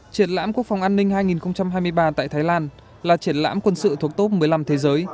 triển lãm quốc phòng an ninh hai nghìn hai mươi ba tại thái lan là triển lãm quân sự thuộc top một mươi năm thế giới